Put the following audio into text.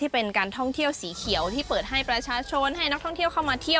เป็นการท่องเที่ยวสีเขียวที่เปิดให้ประชาชนให้นักท่องเที่ยวเข้ามาเที่ยว